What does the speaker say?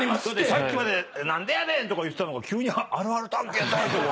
さっきまで何でやねん！とか言ってたのが急に「あるある探検隊」とか。